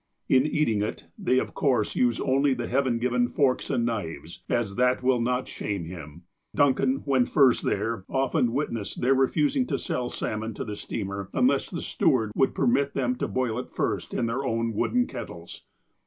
In eating it, they of course use only the heaven given forks and knives, as that will not ''shame" him. Duncan, when first there, often wit nessed their refusing to sell salmon to the steamer unless the steward would permit them to boil it first in their own wooden kettles.